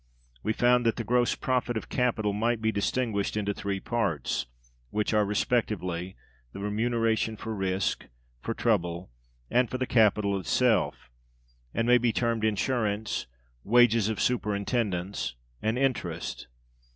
We found that the gross profit of capital might be distinguished into three parts, which are respectively the remuneration for risk, for trouble, and for the capital itself, and may be termed insurance, wages of superintendence, and interest.